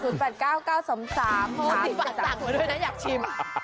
จดเบอร์ก่อน๐๘๙๙๒๓โทษสิฝันฝังก่อนด้วยนะอยากชิม